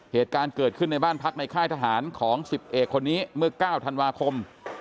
เหตุการณ์เกิดขึ้นในบ้านพักในค่ายทหารของ๑๐เอกคนนี้เมื่อ๙ธันวาคม